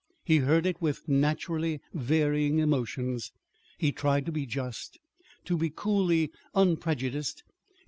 He heard it with naturally varying emotions. He tried to be just, to be coolly unprejudiced.